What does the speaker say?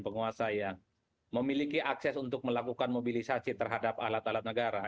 penguasa yang memiliki akses untuk melakukan mobilisasi terhadap alat alat negara